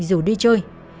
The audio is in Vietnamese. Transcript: rủ đi chơi